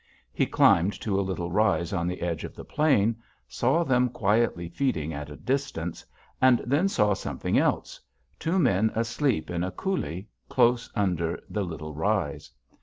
He climbed to a little rise on the edge of the plain, saw them quietly feeding at a distance, and then saw something else: two men asleep in a coulée close under the little rise.